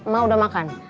ma udah makan